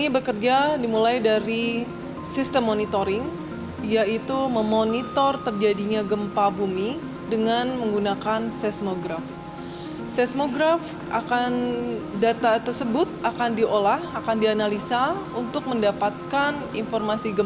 berita terkini dari bukit bintang